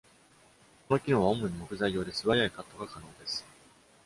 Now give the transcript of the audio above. この機能は主に木材用で、素早いカットが可能です。